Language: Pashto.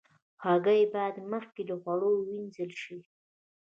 هګۍ باید مخکې له خوړلو وینځل شي.